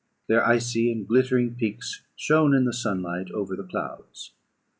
Their icy and glittering peaks shone in the sunlight over the clouds.